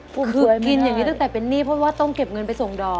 ปุ่มเปื่อยไม่ได้คือกินอย่างนี้ตั้งแต่เป็นนี้เพราะว่าต้องเก็บเงินไปส่งดอก